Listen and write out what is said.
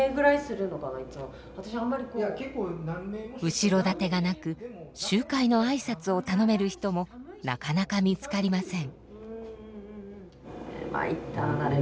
後ろ盾がなく集会のあいさつを頼める人もなかなか見つかりません。